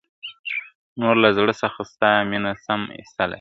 نور له زړه څخه ستا مینه سم ایستلای ..